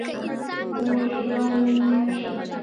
ونې د ژوند نښه ده.